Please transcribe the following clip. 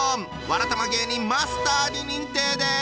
わらたま芸人マスターに認定です！